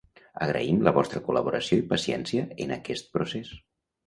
Agraïm la vostra col·laboració i paciència en aquest procés.